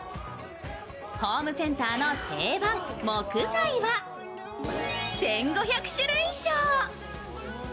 ホームセンターの定番木材は１５００種類以上。